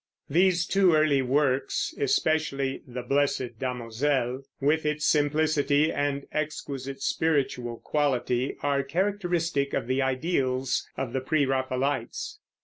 These two early works, especially "The Blessed Damozel," with its simplicity and exquisite spiritual quality, are characteristic of the ideals of the Pre Raphaelites.